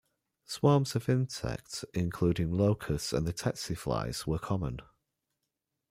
Swarms of insects, including locusts and the-tse flies, were common.